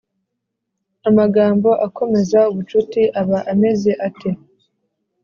Amagambo akomeza ubucuti aba ameze ate